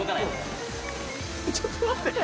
ちょっと待って。